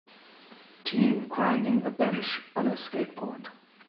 Teen grinding a bench on a skateboard